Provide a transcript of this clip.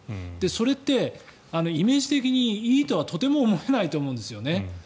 それってイメージ的にいいとはとても思えないと思うんですよ。